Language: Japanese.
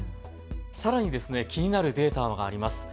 さらに、気になるデータがあります。